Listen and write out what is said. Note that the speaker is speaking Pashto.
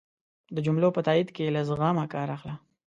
د جملو په تایېد کی له زغم کار اخله